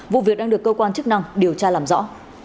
vụ việc đang được cơ quan chức năng điều tra làm rõ